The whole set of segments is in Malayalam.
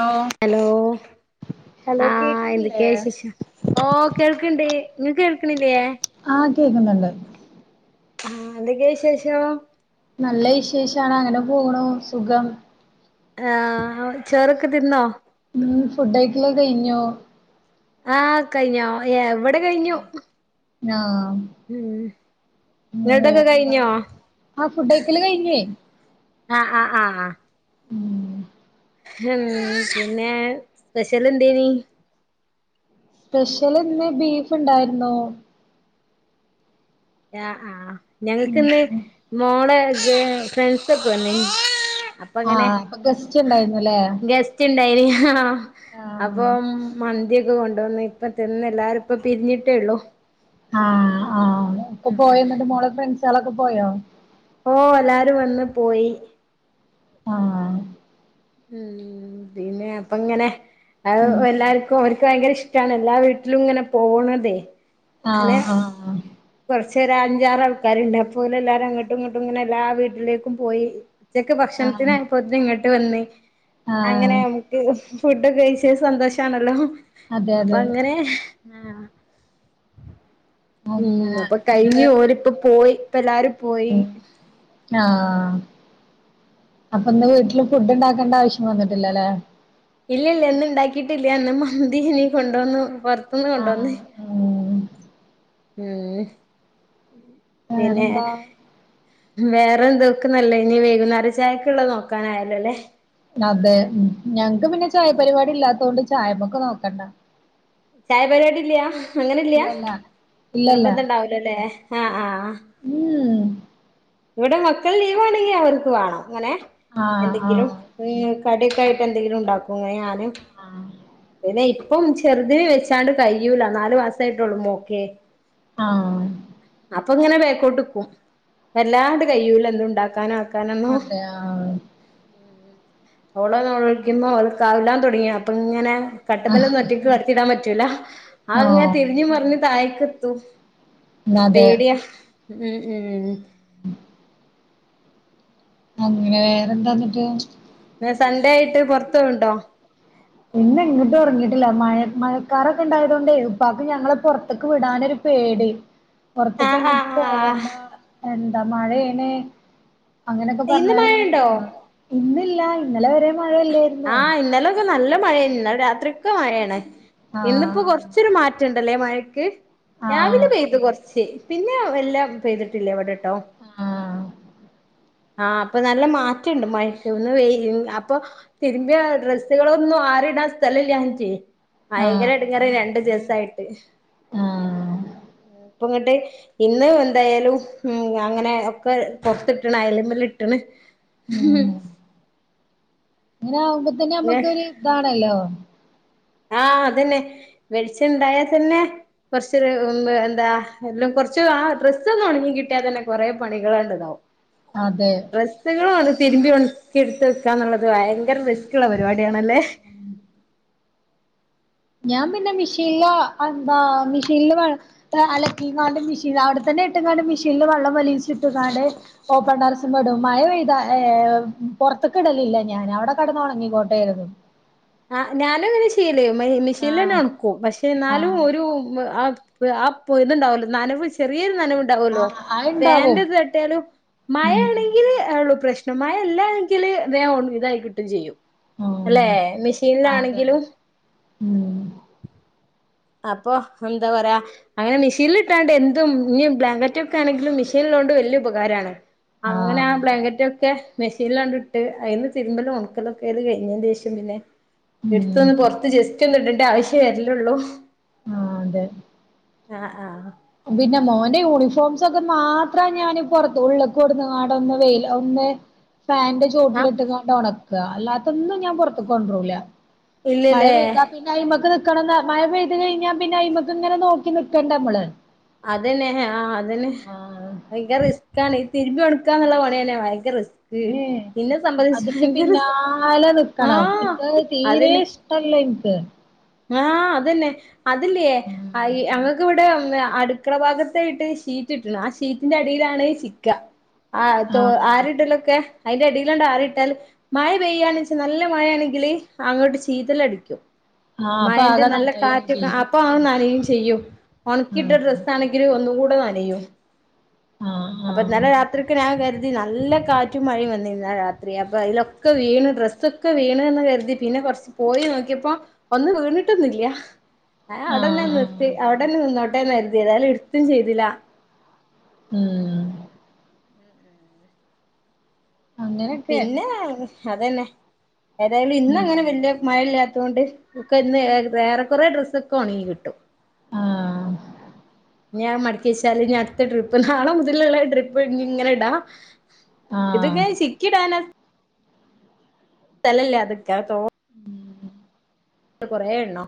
ലോ ഹലോ, ഹലോ ആഹ് കേക്കുന്നില്ലേ എന്തൊക്കെ വിശേഷം? ഓഹ് കേൾക്ക്‌ണ്ട് നിങ്ങൾക്ക് കേൾക്ക്ണില്ലേ ആഹ് കേൾക്ക്‌ന്നുണ്ട്. ആഹ് എന്തെക്കെ വിശേഷം? നല്ല വിശേഷാണ് അങ്ങനെ പോണു സുഖം. ആഹ് ചോറൊക്കെ തിന്നോ ഹ്മ്മ് ഫുഡയ്ക്കല് കയ്ഞ്ഞു. ആഹ് കഴിഞ്ഞോ എവടെ കഴിഞ്ഞു ആഹ് ഉം നിങ്ങളുടെയൊക്കെ വേറെന്താ, കഴിഞ്ഞോ ആഹ് ഫുഡയ്ക്കല് കഴിഞ്ഞേ ആഹ് ആഹ് ആഹ് ആ ഹ്മ്മ് ഹ്മ്മ് പിന്നെ സ്പെഷ്യലെന്തേനി സ്പെഷ്യല് ഇന്ന് ബീഫ്ണ്ടായിരുന്നു. ആഹ് ആഹ് ഞങ്ങൾക്ക്ന്ന് ഉം മോളെ ഫ്രെ ഫ്രൻസൊക്കെ വന്നീനി അങ്ങനെ ആഹ് അപ്പ ഗസ്റ്റ്ണ്ടായിരുന്നു ല്ലേ ഇണ്ടെനി [inaudible] അപ്പം മന്തിയൊക്കെ കൊണ്ടോന്ന് ഇപ്പം തിന്ന് എല്ലാരും ഇപ്പ പിരിഞ്ഞിട്ടേയൊള്ളു. ആഹ് ആഹ് ഇപ്പ പോയോ എന്നിട്ട് മോളെക്കെ ഫ്രൻസെളൊക്കെ പോയോ ഓഹ് എല്ലാരും വന്ന് പോയി. ആഹ് ഹ്മ്മ് പിന്നെ അപ്പങ്ങനെ അഹ് എല്ലാ ഉം അവർക്ക് ഭയങ്കര ഇഷ്ട്ടാണ് എല്ലാ വീട്ടിലും ഇങ്ങനെ പോണതേ ആഹ് ആഹ് കുറച്ചേര അഞ്ചാറാൾക്കാര്ണ്ട്. അപ്പോ ഓലെല്ലാരും അങ്ങട്ടും ഇങ്ങട്ടും ഇങ്ങനെ എല്ലാ വീട്ടിലേക്കും പോയി ഉച്ചക്ക് ആഹ് ഭക്ഷണത്തിനായപ്പോത്തിനേക്കും ഇങ്ങട്ട് വന്ന് ആഹ് അങ്ങനെ നമുക്ക് ഫുഡ് കഴിച്ച് സന്തോഷാണല്ലോ അതെ അതെ അപ്പങ്ങനെ ആഹ് ഹ്മ്മ് അങ്ങനെ അപ്പൊ എന്നിട്ട് കഴിഞ്ഞു ഓലൊക്കെ പോയി ഇപ്പല്ലാരും പോയി. ഉം ആഹ് അപ്പൊ ന്ന് വീട്ടില് ഫുഡ് ണ്ടാക്കേണ്ട ആവശ്യം വന്നിട്ടില്ലല്ലേ ഇല്ലല്ല ന്ന് ഉണ്ടാക്കിട്ടില്ല ന്ന് മന്തിനി കൊണ്ടുവന്നു പൊർത്തുന്ന് കൊണ്ടുവന്ന് ആഹ് ഉം എഹ് പിന്നെ വേറെന്താ വേറന്ത്‌ ക്കന്നല്ലയ്ന് വൈകുന്നേര ചായക്ള്ള നോക്കനായല്ലോ ല്ലേ അതെ ഞങ്‌ ക്ക് പിന്നെ ചായപരിപാടില്ലാത്തൊണ്ട് ചായമ്മക്ക് നോക്കണ്ട ചായ പരിപാടി ല്ല അങ്ങനെ ല്ല്യ ഇല്ലല്ല നിർബന്ധണ്ടാവൂല ല്ലേ ആഹ് ആഹ് ഹൂ ഹ് ഇവിടെ മക്കള് ലീവണെങ്കിൽ അവർക്ക് വാണം ഇങ്ങനെ ആഹ് എന്തെങ്കിലും ആഹ് ഹേ കടിക്കായിട്ട് ന്തെങ്കിലും ഉണ്ടാക്കോ ഞാന് ആഹ് പിന്നെ ഇപ്പം ചെറുത് വെച്ചാണ്ട് കഴിയൂല നാലു മാസായിട്ടുള്ളൂ മോക്കേ ആഹ് അപ്പൊ ഇങ്ങനെ ബേക്കോട്ട്ക്കും വല്ലാണ്ട് കയ്യൂല ന്നും ൻണ്ടാക്കാ നാക്കാൻ കാനെന്നോ അതെ ആഹ് ഓള് നേലോൽകിമ്പം ഓള് കവ് ലാൻ തുടങ്ങിയ പ്പ ഇങ്ങനെ കട്ട്മ്മലൊന്നും ഒറ്റയ്ക്ക് കെടത്തിടാൻ പറ്റൂല ആയ്ങ്ങനെ തിരിഞ്ഞഞ് ആഹ് മർഞ്ഞ് തായ്ക്ക് തു അതെ പേടിയാ മ് മ് അങ്ങനെ വേറെന്താന്ന്ട്ട് വേ സൺഡേ യിട്ട് പൊർതോവ്ണ്ടോ ഇന്ന് എങ്ങിട്ട് ഉറങ്ങിയിട്ടില്ല മഴ മഴക്കാറോക്കെ ഇണ്ടായതുകൊണ്ട് ഉപ്പാക്ക് ഞങ്ങള് പൊറത്തേക്ക് വിടാനൊര് പേടി പൊറത്ത്ക് ആഹ് ങ്ങട്ടും ആഹ് ആഹ് പോവണ്ട എന്താ മഴേണ് അങ്ങനൊക്കെ ഇന്ന് പറഞ്ഞാണ്ട് ഇങ്ങനെ മഴയുണ്ടോ നിക്കാ ഇന്നില്ല ഇന്നലെ വരെ മഴ എല്ലേയിരുന്നു ആഹ് ഇന്നലൊക്കെ നല്ല മഴയേ ന്നലെ രാത്രി ക്കെ മഴയാണ് ഇന്നിപ്പോ ആഹ് കൊറച്ച് ച്ചിരി മാറ്റണ്ടല്ലേ മഴക്ക് ആഹ് രാവിലെ പെയ്തു കൊർച്ച് പിന്നെ വല്ലാ പെയ്തിട്ടില്ല ഇവിടട്ടോ ആഹ് ആഹ് പ്പൊ നല്ല മാറ്റണ്ട് മഴക്ക് ന്ന് വെയില് അപ്പൊ തിര്മ്പിയ ഡ്രസ്സ്‌കളൊന്ന് ആറിടാസ്തലല്യാഞ്ഞിട്ടേ ഭയങ്കര ആഹ് എടങ്ങേറയിനി രണ്ടു ദിവസായിട്ട് ആഹ് ഹേ ഇപ്പങ്ങട്ട് ഇന്ന് എന്തായാലും ഉം ഞാനിങ്ങനെ ഒക്കെ പുറത്തി- ട്ട്ണ് ആയല്മ്മലിട്ട്ണ് ഉം ങ്ങനെ ആകുമ്പോതന്നെ അമ്മക്കൊരു താണല്ലോ ആഹ് അതന്നെ വെളിച്ചണ്ടായാ തന്നെ കുറച്ചൊരു ഹും എന്താ എല്ലാം കൊറച്ച് ആ ഡ്രസ്സ് ഒന്ന് ഉണങ്ങി കിട്ടിയാൽ തന്നെ കൊറെ പണികളാണ്ട് ഇതാവും [inaudible] അതെ ഡ്രസ്സ്കളു അത് തിരുമ്പി ഒണക്കി എടുത്ത് വെക്കാ എന്നുള്ളത് ഭയങ്കര റിസ്ക്ള്ള പരിപാടിയാണല്ലേ ഞാൻ പിന്നെ മിഷീല്ല എന്താ മിഷീനില് വേള് അലക്കിങ്ങാണ്ട് മെഷീൻ അവിടെത്തന്നെ ഇട്ട്ങ്ങാണ്ട് മെഷീനില് വെള്ളം വലീച്ചിട്ട്ങ്ങാണ്ട് ഓപ്പൺടെറസ്മ്മടും മഴ പെയ്ത ഹേ പുറത്ത്ക്ക്ടലില്ല ഞാൻ അവിടെ കെടന്ന് ഒണങ്ങികോട്ടെ കരുതും ആഹ് ഞാനുങ്ങനെ ചെയ്യല് മെ ആഹ് മെഷീൻല്ന്നെണക്കും പക്ഷെ എന്നാലും ആഹ് ഒരു ആഹ് പ്പ് ആഹ് പ്പൊ ഇതുണ്ടാവല്ലോ നനവ് ചെറീരു നനവു ണ്ടാവല്ലോ ആഹ് അത്ണ്ടാവും ഫാന്റെത് തട്ടിയാലും ഉം മഴേണ് ള്ളു പ്രശ്നം മഴല്ലാഎങ്കില് വേ ഒൺങ്ങി ഇതായി കിട്ടും ചെയ്യും അല്ലെ മേഷ് ആഹ് അതെന്നേ ഉം അപ്പൊ ന്താ പറിയ അങ്ങനെ മെഷീല്ട്ടാണ്ട് എന്തും ഞ്ഞി ബ്ലാങ്കറ്റ് ഒക്കെ ആണെങ്കിലും മെഷീന്ള്ളോണ്ട് വെല്യ ഉപകാരാണ് അങ്ങനെ ആഹ് ആബ്ലാങ്കറ്റൊക്കെ മെഷീൻലാണ്ട്ട്ട് അയിന്ന് തിരുമ്പലും ഉണക്കലൊക്കെ അത് കഴിഞ്ഞേന്റെഷം പിന്നെ ഉം എടുത്തൊന്ന് പുറത്ത് ജസ്റ്റ് ഒന്ന് ഇടേണ്ട ആവശ്യം വരലൊള്ളൂ ആഹ് തെ ആഹ് ആഹ് പിന്നെ മോന്റെ യൂണിഫോംസ് ഒക്കെ മാത്ര ഞാൻ പൊറത്ത് ഉള്ളക്ക് കൊടന്ന്ങ്ങണ്ട് ഒന്ന് വെയിൽ ആവുന്നേ - ഫാന്റെ - ആഹ് തൊട്ടിലിട്ടുംക്കെ കൊണ്ട് ഒണക്കുക അല്ലാത്തൊന്നും ഞാൻ പൊറത്ത്ക്ക് കൊണ്ടൂല മഴ ഇല്ലല്ലേ പെയ്താ പിന്നെ - അയ്മക്ക് നിക്കണം മഴ പെയ്തി കഴിഞ്ഞാ പിന്നെ അയ്മക്കക്ക് ഇങ്ങനെ നോക്കി നിക്കക്കണ്ട നമ്മള്- അത് തന്നെ ആഹ് അത് തന്നെ ആഹ് ഭയങ്കര റിസ്ക്കാണ് തിരുമ്പി ഒണ - ക്കുവാനുള്ള പണി തന്നെയാ ഭയങ്കര റിസ്ക് ഏ എന്നെ സംബന്ധിച്ച് ഭയങ്കര റിസ്ക്- കാണാം ആഹ് എനിക്ക് അത് തീരെ അതന്നെ ഇഷ്ടല്ല എനിക്ക് ആഹ് അത് തന്നെ അത്യല്ലിയെ അങ്ങക്ക് ഇവിടെ അടു അടുക്കള ഭാഗത്തായിട്ട് ഷീറ്റ്ട്ടക്കണ് ആ ഷീറ്റിന്റെ അടിയിലാണ് ചിക്ക്ക ആഹ് തൊ ആര് ഇടലൊക്കെ അതിന്റെ അടിയില് കൊണ്ട് ആര് ഇട്ടാലും മഴ പെയ്യുവാണ് വെച്ചാ നല്ല മഴ ആണെങ്കിൽ അങ്ങോട്ട് ചീറ്റലടിക്കും അടിക്കും ആഹ് അപ്പൊ മയേന്റെ ആകെ നല്ല നനയും കാറ്റൊക്കെ ചെയ്യും അപ്പൊ അത് നനയുവേം ചെയ്യും ഒണക്കിയിട്ട ആഹ് ഡ്രസ്സ്‌ - ത്താണെങ്കിൽ ഒന്നും കൂടെ നനയും ആഹ് അപ്പൊ ആഹ് ഇന്നലെ രാത്രിക്ക് ഞാൻ കരുതി- നല്ല കാറ്റും മഴയും ആയിരുന്നു ഇന്നലെ രാത്രി അപ്പം അതിലൊക്കെ വീണ് ഡ്രസ്സൊക്കെ വീണ് എന്ന് കരുതി പിന്നെ കൊറച്ച്- പോയി നോക്കിയപ്പോ ഒന്ന് വീണിട്ടൊന്നുംയില്ല്യ ആഹ് അതെല്ലാം നിർത്തി അവിടെന്നെ നിന്നോട്ടെ കരുതി അതായാലും എടുത്തും ചെയ്തില്ലാ ഉം [unintelligible] അങ്ങനെയൊക്കെ പിന്നെ അത് തന്നെ ഏതായാലും ഇന്ന് ഉം അങ്ങനെ വല്യ മഴയില്ലാതൊണ്ട്- ഒക്കെ ഇന്ന് വേറെ കൊറെ ഡ്രസ്സ് ഒക്കെ ഒണങ്ങി കിട്ടും ആഹ് ഞാൻ മടക്കി വെച്ചാല് ഇഞ്ഞി അടുത്ത ട്രിപ്പ് നാളെ മുതലുള്ള ട്രിപ്പ് ഇ ഇങ്ങനെ ഇടാം ആഹ് ഇതൊക്കെ ചിക്കി ഇടാനാ [unintelligible] [inaudible] കൊറെേ എണ്ണം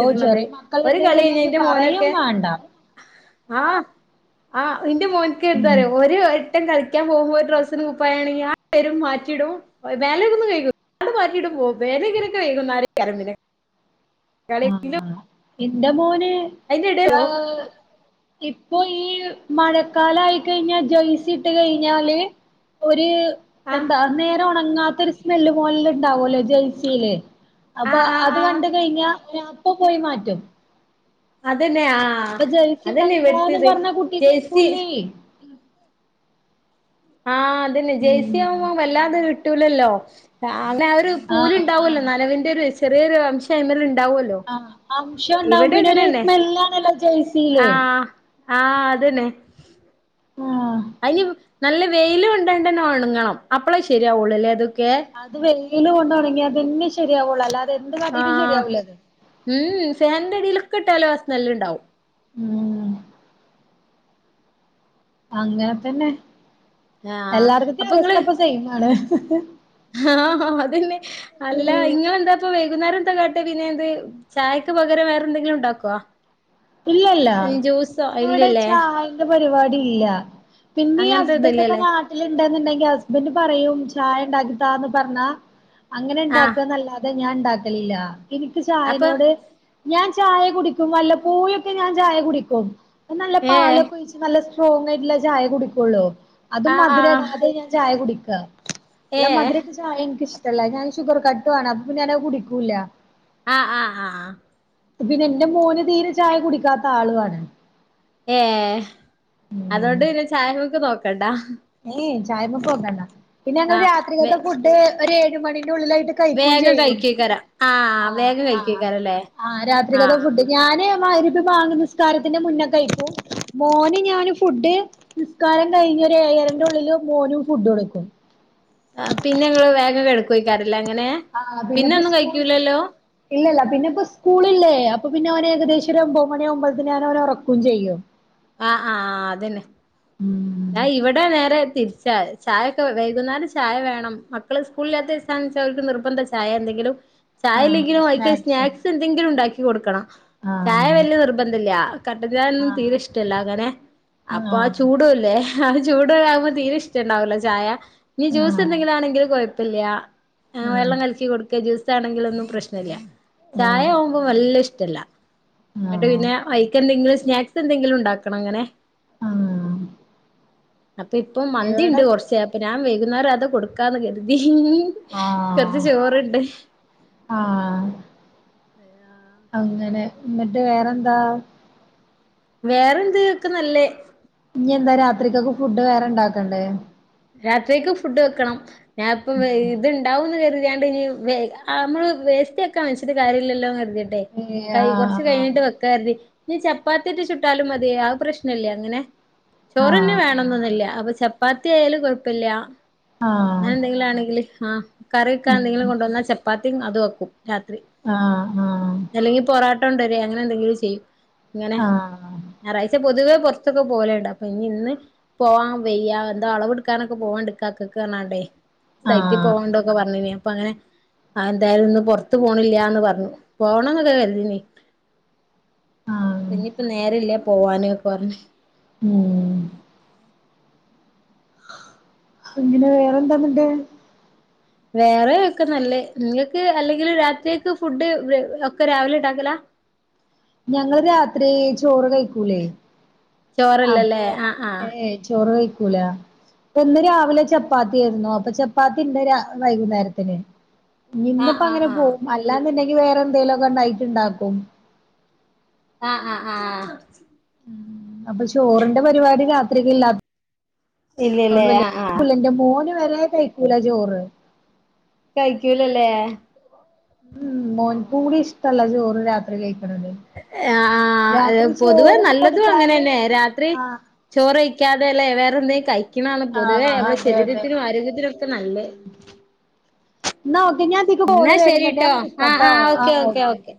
ഓ ചെറിയ ഒരു കളി കഴിഞ്ഞ മക്കളുണ്ട്ന്നുണ്ടെങ്കി ഇന്റെ പറയും മോനൊക്കെ- വേണ്ട ആഹ് ആഹ് ഇന്റെ മോന്ക്ക് എന്താ ഉം അറിയിവോ ഒരു- [unintelligible] കളിക്കാൻ പോകുമ്പോ ഒരു ഡ്രസ്സിന് കുപ്പായാണെങ്കിൽ ആ വരും മാറ്റിയിടും മേലൊന്നും കഴുക്കുല അത് മാറ്റിയിട്ട് പോവും മേലയ്ക [unintelligible] ലൊകെകെ വൈകു [unintelligible] ന്നാരേക്കാരം പിന്നെ [unintelligible] ഇന്റെ മോന്- അയിന്റെ എടേലോ ഇപ്പൊ ഈ മഴക്കാലയായിക്കഴിഞ്ഞാ ജേഴ്സിയിട്ട് കഴിഞ്ഞാല്- ഒര് ആഹ് എന്താ നേരെ ഒണങ്ങാത്ത ഒരു സ്മെല്ല് പോലെ ഇണ്ടാവല്ലോ ജേഴ്സിയില് അപ്പൊ ആഹ് ആഹ് അത് ആഹ് കണ്ട് കഴിഞ്ഞാ ഓന് അപ്പ പോയി മാറ്റും അത് തന്നെ ആഹ് ഇപ്പൊ ജേഴ്സി അത് തന്നെ ഇടണ്ടാന്ന് ഇവിടുത്തത് പറഞ്ഞ കുട്ടി ജേഴ്സി- കേക്കൂലേ ആഹ് അത് തന്നെ ജെയ്സി ഉം ആവുമ്പം വല്ലാതെ കിട്ടൂലല്ലോ അങ്ങ [unintelligible] നെ ഒരു ആഹ് പൂലുണ്ടാവുമല്ലോ ആഹ് നനവിന്റെ ഒരു ചെറിയൊരു അംശം അയ്മല് ഉണ്ടാവല്ലോ ആഹ് അംശം ഉണ്ടാവും പിന്നൊരു സ്മെല്ലാണല്ലോ ജെയ്സില് ആഹ് ആഹ് അത് തന്നെ ആഹ് അതിന് നല്ല വെയില് കോണ്ട് യൊണ്ട് ഒണങ്ങണം അപ്പളെ ശരിയാവുള്ളൂ അതൊക്കെ അത് വെയില് കൊണ്ടൊണങ്ങിയത്തന്നെ ശരിയാവുള്ളൂ അല്ലാതെ എന്ത് കാട്ടിട്ടും ആഹ് ശരിയാവൂല അത്- ഉം ഫാനിന്റെ അടീലൊക്കെയിട്ടാലും ആ സ്മെല്ല്ണ്ടാവും ഉം അങ്ങനെ തന്നെ ആഹ് എല്ലാടിത്തെ അപ്പൊ അവസ്ഥ ഇങ്ങള് ഇപ്പൊ സെയിമാണ് ആഹ് അത് തന്നെ അല്ല നിങ്ങള് എന്താ - ഇപ്പൊ വൈകുന്നേരം എന്താ കാട്ടെ പിന്നെ എന്ത് ചായക്ക് പകരം വേറെ എന്തെങ്കിലും ഉണ്ടാക്കുവോ ഇല്ലയില്ല ഇവിടെ ഇല്ലല്ലേ ചായ- അങ്ങനത്തെ പരിപാടിയില്ല പിന്നെ അങ്ങനത്തെ ഹസ്ബൻഡൊക്കെ- ഇതില്ലല്ലേ ണ്ടണ്ടെങ്കിൽ ഹസ്ബൻഡ് പറയും ചായ ഉണ്ടാക്കി താന്ന് പറഞ്ഞാ അങ്ങനെ ആഹ് ഉണ്ടാക്കാന്നല്ലാതെ അ ഞാൻ ഉണ്ടാക്കലില്ല എനിക്ക് അപ്പൊ ചായനോട് ഞാൻ ചായ കുടിക്കുംമ്പല്ല പോയക്കെ ഞാൻ ചായ കുടിക്കും നല്ല ഏഹ് പാലൊക്കെ നല്ല സ്ട്രോഞ്ഞായിട്ടുള്ള ചായ കുടിക്കുള്ളൂ അതും ആഹ് ആഹ് മധുരടാതെ ഞാൻ ചായ കുടിക്കാ നല്ല ഏഹ് മധുരട്ട ചായ എനിക്ക് ഇഷ്ടല്ല ഞാൻ ഷുഗർ കട്ടാണ് അപ്പൊ പിന്ന ഞാന് കുടിക്കൂല്ല ആഹ് ആ ആഹ് പിന്നെ ന്റെ മോന് തീരെ ചായ കുടിക്കാത്ത ആളുആണ് ഏ അതോണ്ട് പിന്നെ ചായമ്മക്ക് നോക്കണ്ടാ ഏ ചായമ്മക്കോക്കണ്ട പിന്നെ ആ ഞങ്ങള് വേ രാത്രികത്തെ ഫുഡ് ഒരു ഏഴ് മണിന്റെ ഉള്ളിലായിട്ട് കഴിക്കുകയും വേഗം ചെയ്യും കഴിക്കേക്കാരം ആ ആഹ് വേഗം ആഹ് കഴിക്കേക്കാരല്ലേ ആഹ് ആ രാത്രികത്തെ ഫുഡ് ഞാന് മഗ്രി രബ് ബാങ്ക് നിസ്കാരത്തിന്റെ മുന്നെകയിക്കും മോനും ഞാനും ഫുഡ് നിസ്കാരം കഴിഞ്ഞ് ഏഴര ന്റുള്ളിൽ മോനും ഫുഡ് കൊടുക്കും ആ പിന്നെ ങ്ങള് വേഗം കെടക്കേക്കാരല്ലേ അങ്ങനെ ആഹ് പിന്നെ പിന്നെപ്പോ ഒന്നും സ്കൂൾ കഴിക്കൂലല്ലോ ഇല്ലല്ല പിന്നെപ്പൊ സ്കൂളില്ലേ അപ്പ പിന്നെ അവന് ഏകദേശം ഒരു ഒൻമ്പത് മണി അവുമ്പോയ ഞാന് ഓനെ ഉറക്കുകയും ചെയ്യും ആഹ് ആഹ് അതന്നെ ഉം ഞാൻ ഇവിടെ നേരെ തിരിച്ചാ ചായയൊക്കെ വൈകുന്നേലരം ചായ വേണം മക്കള് സ്കൂളില്ലാത്ത [unintelligible] ഓൽക്ക് നിർബന്ധ ചായേ എന്തെങ്കിലും ആഹ് ചായല്ലെങ്കിലും ഐക്ക് സ്നാക്സും സ്നാക്സ് എന്തെങ്കിലും ഉണ്ടാക്കി കൊടുക്കണം ചായ ആഹ് വലിയ നിർബന്ധല്ല കട്ടചായൊന്നും ആഹ് തീരെ ഇഷ്ട ഇഷ്ടല്ല അങ്ങനെ അപ്പൊ ആ ആഹ് ചൂടല്ലേ ആ ചൂടും ആകുമ്പോ തീരെ ഇഷ്ടുണ്ടാവൂല ചായ ഇനി ജ്യൂസ് ആഹ് എന്തെങ്കിലും ആണെങ്കിലും കുഴപ്പല്ല ആഹ് വെള്ളം കലക്കി കൊടുക്കെ ജ്യൂസ് ആണെങ്കില് ഒന്നും പ്രശ്ണല്ല ചായ ആഹ് ക്കും വല്ല ഇഷ്ടല്ല എന്നിട്ട് ആഹ് പിന്നെ വൈക്ക് എന്തെങ്കിലും സ്നാക്സ് എന്തെങ്കിലും ഉണ്ടാക്കണം അങ്ങനെ ആഹ് അപ്പൊ ഇപ്പൊ മന്തി എവടെ ഇണ്ട് കുറച്ചേ അപ്പൊ ഞാൻ വൈകുന്നേരം അത് കൊടുക്കാന്ന് കരുതി [unintelligible] കൊറച്ച് ആഹ് ചോറുണ്ട് ആഹ് അങ്ങനെ നട്ട് വേറെന്താ വേറെന്ത് ക്ക്‌ നല്ലേ ഞ്ഞഎന്താ രാത്രിക്കൊക്കെ ഫുഡ് വേറെ ഇണ്ടാക്കെണ്ടേ രാത്രിക്ക് ഫുഡ് വെക്കണം ഞാൻ ഇപ്പം ഇത്ണ്ടാവുംന്ന് കരുതിയാണ്ട് ഇനി വേ നമ്മള് വേസ്തിയക്കാ മനിച്ചത് കാര്യല്ലല്ലോ കരുതിണ്ട് ഏഹ് ണ്ടെ കൈ കൊറച്ച് ആഹ് കഴിഞ്ഞിട്ട് വെക്കരുതി ഈ ചപ്പാത്തിട്ട ചുട്ടാലും മതിയ ആ പ്രശ്നംല്ലേ അങ്ങനെ ചോറ്ന്നെ ആഹ് വേണംന്നൊന്നില്ല അപ്പ ചപ്പാ - എത്തിആയാലും കൊഴപ്പല്ല ആഹ് അങ്ങനെ എന്തെങ്കിലു ആണെങ്കില് ആ കറിവക്കാ എന്തെങ്കിലും ഉം കൊണ്ടുവന്നാൽ ചപ്പാത്തിയും അത് വെക്കും രാത്രി ആഹ് ആഹ് അല്ലെങ്കി പൊറോട്ട ഒണ്ടര് അങ്ങനെ എന്തെങ്കിലും ചെയ്യും ഇങ്ങനെ ആഹ് ഞായറാഴ്ച പൊതുവേ പുറത്തൊക്കെ പോലുണ്ട് അപ്പൊ ഇനി ഇന്ന് പോവാൻ വെയ്യാ പറഞ്ഞ ഇന്തോ അളവെടുക്കാനൊക്കെ പോവാണ്ട്ഇക്കക്കാക്ക് പാർനാണ്ടേ സൈറ്റിൽ ആഹ് പോവാണ്ടൊക്കെ പറഞ്ഞിനെ അപ്പൊ അങ്ങനെ ആഹ് എന്തായാലും ഇന്ന് പുറത്ത് പോണില്ലന്ന് പറഞ്ഞു പോണംന്നൊക്കെ കരുതീനി ആഹ് പിന്നിപ്പ നേര ഇല്ല പോവാന്ക്കെ പറഞ്ഞ് ഉം കുഞ്ഞിന് വേറെന്താന്നിട്ട് വേറെ ഒക്കെ നല്ലേ നിങ്ങൾക്ക് അല്ലെങ്കിൽ രാത്രിക്ക് ഫുഡ് വേ ഒക്കെ രാവിലെ ഉണ്ടാക്കല ഞങ്ങള് രാത്രി ചോറ് കഴിക്കൂലേ അപ്പോ ചോറല്ലല്ലേ ആഹ് ഏ ആഹ് ചോറ് കഴിക്കൂല ഇന്ന് രാവിലെ ചപ്പാത്തി ആയിരുന്നു അപ്പ ചപ്പാത്തി ഇന്ന് രാ വൈകുന്നേരത്തിന് ആഹ് നിന്നിപ്പോ ആഹ് അങ്ങനെ പോകും അല്ലാന്ന്ണ്ടെങ്കി വേറെ എന്തെങ്കലുഒക്കെനൈറ്റ്‌ ഇണ്ടാക്കും ആഹ് ആഹ് ആഹ് അപ്പൊ ചോറിന്റെ പരിവാടി രാത്രിക്ക് ഇല്ല ലതൊണ്ട് ഇല്ലല്ലേ വല്ല്യ ആഹ് ആഹ് പ്പില്ലന്റെ മോന് വരെ കഴിക്കൂല ചോറ് കയിക്കൂലല്ലേ ഉം മോൻ കൂടി ഇഷ്ട അല്ല ചോറ് രാത്രി കഴിക്കണത് ആഹ്ആഹ് ഏ രാത്രി പൊതുവെ ചോറ് നല്ലതും കൊടുത്താല് അങ്ങനെന്നെ രാത്രി ആഹ് ചോറ് കായിക്കാതെയല്ലേറെ എന്തെങ്കും കൈ- - ണാണ് പൊതുവേ ആഹ് നമ്മള അതെ അതെ ശരീരത്തിനും ആരോഗ്യത്തിനും ഒക്കെ നല്ലേ എന്നാ ഓക്കെ ഞാൻ ഇതിക്ക് എന്നാ കോള് വരുന്നുണ്ട് ഞാൻ ശരിട്ടോ ആഹ് വിളിക്കാട്ടോ ആഹ് ഓക്കെ ഓക്കെ ഓക്കെ